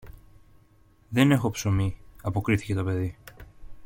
Δεν έχω ψωμί, αποκρίθηκε το παιδί.